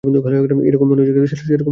এই, যেরকম মনে করছিস সেরকম এসআইর মতো না।